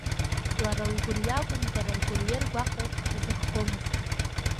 Лара лгәырҩа акәым, дара ргәырҩеи ргәаҟреи рзыхгомызт.